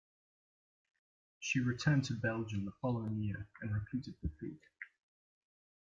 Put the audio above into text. She returned to Belgium the following year and repeated the feat.